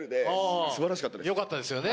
よかったですよね。